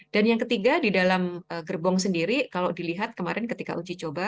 dan yang ketiga di dalam gerbong sendiri kalau dilihat kemarin ketika uji coba